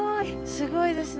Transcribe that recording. すごいですね。